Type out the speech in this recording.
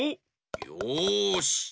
よし。